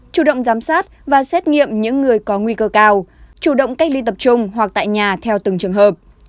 chủ động giám sát và xét nghiệm những người có nguy cơ cao chủ động cách ly tập trung hoặc tại nhà theo từng trường hợp